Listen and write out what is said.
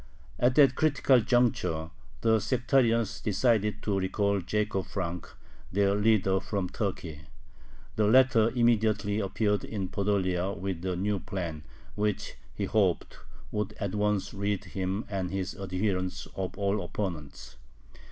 At that critical juncture the sectarians decided to recall Jacob Frank, their leader, from Turkey. The latter immediately appeared in Podolia with a new plan, which, he hoped, would at once rid him and his adherents of all opponents.